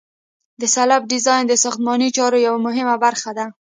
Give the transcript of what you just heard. د سلب ډیزاین د ساختماني چارو یوه مهمه برخه ده